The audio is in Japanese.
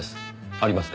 ありますか？